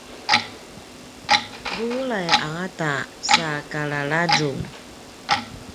bulai angata sa kalalazung